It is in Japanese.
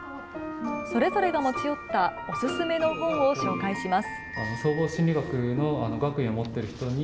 それぞれが持ち寄ったお薦めの本を紹介します。